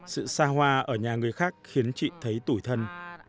sự xa hoa ở nhà người khác khiến chị thấy yên tâm